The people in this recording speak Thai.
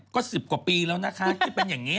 ว่ามา๖ปีแล้วนะคะที่เป็นอย่างนี้